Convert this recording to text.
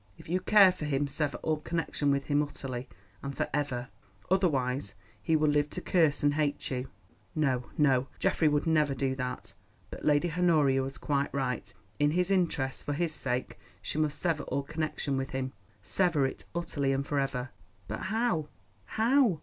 "If you care for him sever all connection with him utterly, and for ever. Otherwise, he will live to curse and hate you." No, no! Geoffrey would never do that. But Lady Honoria was quite right; in his interest, for his sake, she must sever all connection with him—sever it utterly and for ever. But how—how?